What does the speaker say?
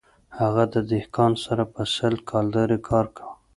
هغه د دهقان سره په سل کلدارې کار کاوه